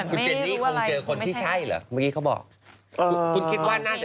คุณเจนนี่คงเจอคนที่ใช่เหรอเมื่อกี้เขาบอกคุณคิดว่าน่าจะ